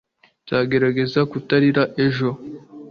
nzagerageza kutarira ejo